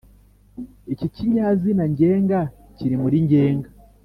iki kinyazina ngenga kiri muri ngenga